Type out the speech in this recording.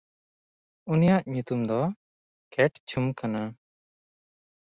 ᱩᱱᱤᱭᱟᱜ ᱧᱩᱛᱩᱢ ᱫᱚ ᱠᱮᱴᱪᱷᱩᱢ ᱠᱟᱱᱟ᱾